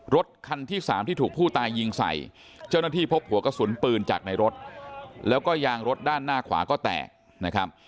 รถคันที่สามที่ถูกผู้ตายยิงใส่เจ้าหน้าที่พบหัวกระสุนปืนจากในรถแล้วก็ยางรถด้านหน้าขวาก็แตกนะครับ